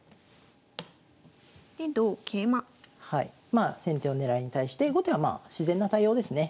まあ先手の狙いに対して後手はまあ自然な対応ですね。